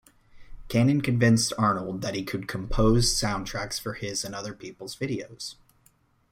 Cannon convinced Arnold that he could compose soundtracks for his and other people's videos.